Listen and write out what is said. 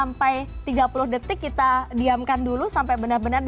komitmenogo bagi disinfektan yangreal to cooked planet ini yaitu